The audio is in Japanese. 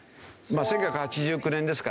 １９８９年ですからね